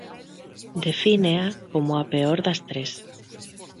Defínea como a peor das tres.